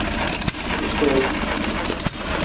Өсәү.